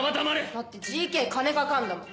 だってＧＫ金かかんだもん。